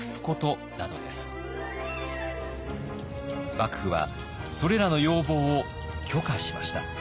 幕府はそれらの要望を許可しました。